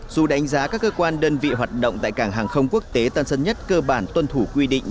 dù đánh giá các cơ quan đơn vị hoạt động tại cảng hàng không quốc tế tân sơn nhất cơ bản tuân thủ quy định